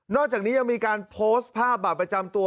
อกจากนี้ยังมีการโพสต์ภาพบาดประจำตัว